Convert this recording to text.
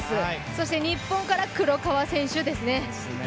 そして日本から黒川選手ですね。